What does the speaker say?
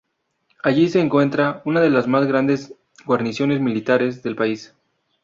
Allí se encuentra una de las más grandes guarniciones militares del país.